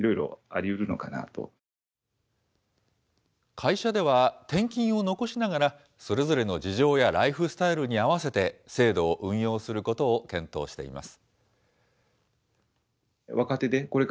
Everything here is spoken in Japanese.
会社では、転勤を残しながら、それぞれの事情やライフスタイルに合わせて制度を運用することを検討しています。